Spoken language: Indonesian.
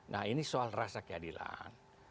nah ini soal rasa keadilan